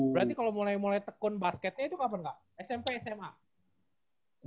berarti kalau mulai mulai tekun basketnya itu kapan kak smp sma